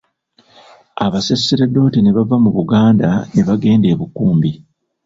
Abasaserdoti ne bava mu Buganda ne bagenda e Bukumbi.